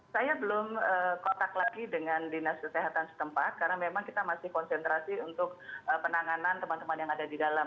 saya belum kotak lagi dengan dinas kesehatan setempat karena memang kita masih konsentrasi untuk penanganan teman teman yang ada di dalam